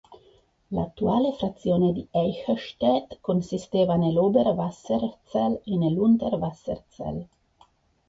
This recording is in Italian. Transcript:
L'attuale frazione di Eichstätt consisteva nell'Oberwasserzell e nell'Unterwasserzell.